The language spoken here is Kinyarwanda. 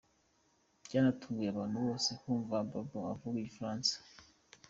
Byatunguye abantu bose kumva Babou avuga Igifaransa.